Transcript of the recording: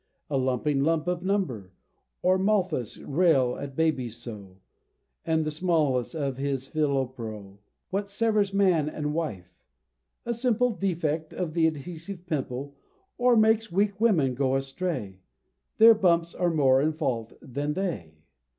a lumping lump of Number: Or Malthas rail at babies so? The smallness of his Philopro What severs man and wife? a simple Defect of the Adhesive pimple: Or makes weak women go astray? Their bumps are more in fault than they.